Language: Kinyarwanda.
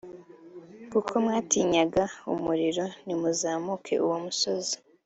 kuko mwatinyaga umuriro, ntimuzamuke uwo musozi.